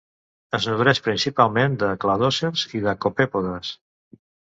Es nodreix principalment de cladòcers i copèpodes.